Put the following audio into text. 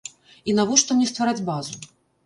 І навошта мне ствараць базу?